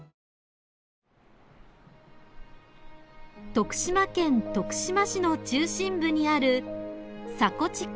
徳島県徳島市の中心部にある佐古地区。